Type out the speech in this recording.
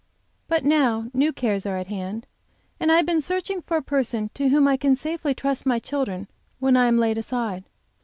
But now new cares are at hand, and I have been searching for a person to whom I can safely trust my children when I am laid aside.